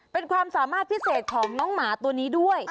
เป็นความสามารถพิเศษของน้องหมาตัวนี้ด้วย